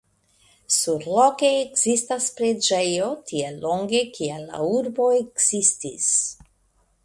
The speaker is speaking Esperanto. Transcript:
Surloke ekzistas preĝejo tiel longe kiel la urbo ekzistis.